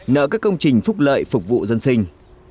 nợ các công trình phúc lợi phục vụ dân sinh